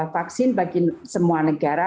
vaksin bagi semua negara